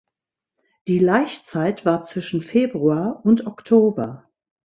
Die Laichzeit war zwischen Februar und Oktober.